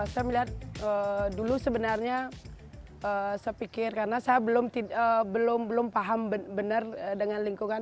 saya melihat dulu sebenarnya saya pikir karena saya belum paham benar dengan lingkungan